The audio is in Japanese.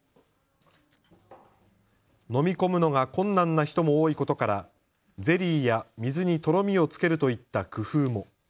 飲み込むのが困難な人も多いことからゼリーや水にとろみをつけるといった工夫も。